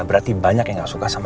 berarti banyak yang gak suka sama